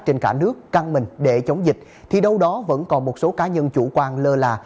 trên cả nước căng mình để chống dịch thì đâu đó vẫn còn một số cá nhân chủ quan lơ là